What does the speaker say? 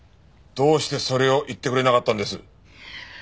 どうしてそれを言ってくれなかったんです。